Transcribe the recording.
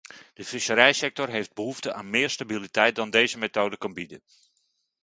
De visserijsector heeft behoefte aan meer stabiliteit dan deze methode kan bieden.